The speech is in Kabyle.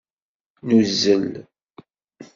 Nuzzel.